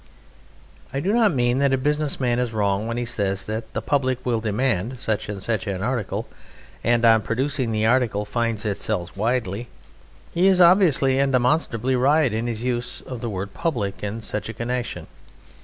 I do not mean that a business man is wrong when he says that "the public will demand" such and such an article, and on producing the article finds it sells widely; he is obviously and demonstrably right in his use of the word "public" in such a connexion.